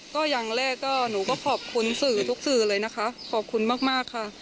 ก็อย่างแรกก็หนูก็ขอบคุณสื่อทุกสื่อเลยนะคะขอบคุณมากมากค่ะ